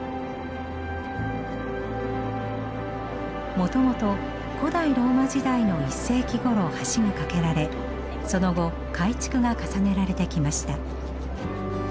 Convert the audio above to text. もともと古代ローマ時代の１世紀ごろ橋が架けられその後改築が重ねられてきました。